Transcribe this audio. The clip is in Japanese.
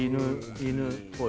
犬っぽい。